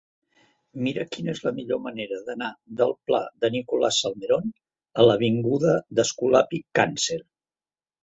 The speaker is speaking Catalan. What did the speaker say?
Mira'm quina és la millor manera d'anar del pla de Nicolás Salmerón a l'avinguda d'Escolapi Càncer.